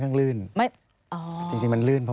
สวัสดีค่ะที่จอมฝันครับ